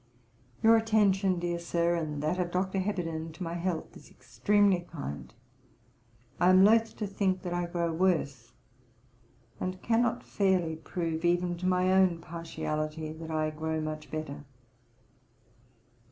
Your attention, dear Sir, and that of Dr. Heberden, to my health, is extremely kind. I am loth to think that I grow worse; and cannot fairly prove even to my own partiality, that I grow much better.'